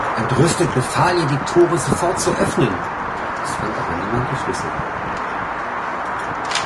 Entrüstet befahl er, die Tore sofort zu öffnen, es fand aber niemand die Schlüssel.